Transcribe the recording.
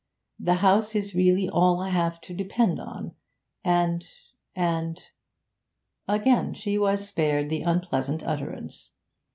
This house is really all I have to depend upon, and and ' Again she was spared the unpleasant utterance.